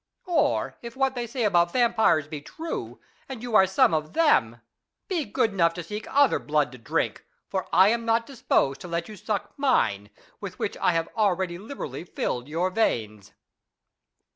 Or if what they say about vampires be true, and you are some of them, be good enough to seek other blood to drink, for I am not disposed to let you suck mine, with which I have already liberally filled your veins.